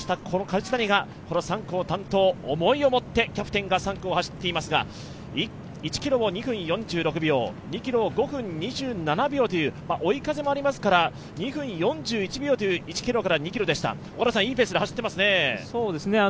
この梶谷がこの３区を担当、思いを持ってキャプテンが走っていますが、１ｋｍを２分４６秒２ｋｍを５分２７秒という、追い風もありますから２分４１秒という１ｋｍから２ｋｍでした、いいペースで走ってますね。